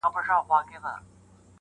نن په څشي تودوې ساړه رګونه -